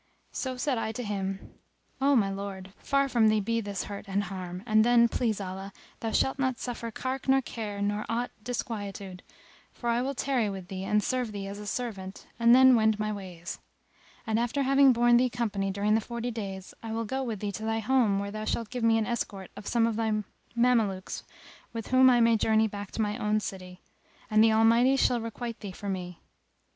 So said I to him, "O my lord, far from thee be this hurt and harm and then, please Allah, thou shalt not suffer cark nor care nor aught disquietude, for I will tarry with thee and serve thee as a servant, and then wend my ways; and after having borne thee company during the forty days, I will go with thee to thy home where thou shalt give me an escort of some of thy Mamelukes with whom I may journey back to my own city; and the Almighty shall requite thee for me."